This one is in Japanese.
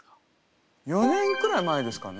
４年くらい前ですかね。